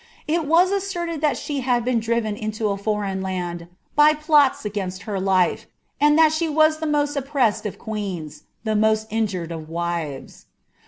It was asserted that she ad been driven into a foreign land by plots against her life, and that she pas the most oppressed of queens — ^the most injured of wives.